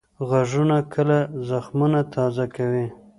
غږونه کله زخمونه تازه کوي